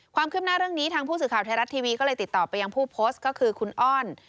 ความคืบหน้าเรื่องนี้ทางผู้สื่อข่าวไทยรัฐทีวีก็เลยติดต่อไปยังผู้โพสต์ก็คือคุณอ้อน